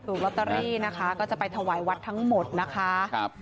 ลอตเตอรี่นะคะก็จะไปถวายวัดทั้งหมดนะคะครับ